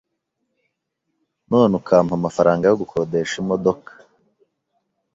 None ukampa amafaranga yo gukodesha imodoka